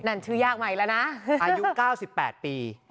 ชื่อยากใหม่แล้วนะอายุ๙๘ปี